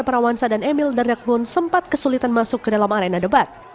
prawansa dan emil dan yakbun sempat kesulitan masuk ke dalam arena debat